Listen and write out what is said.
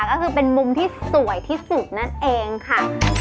ก็คือเป็นมุมที่สวยที่สุดนั่นเองค่ะ